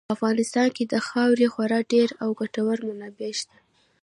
په افغانستان کې د خاورې خورا ډېرې او ګټورې منابع شته.